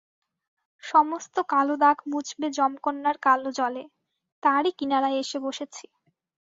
সমস্ত কালো দাগ মুছবে যমকন্যার কালো জলে, তারই কিনারায় এসে বসেছি।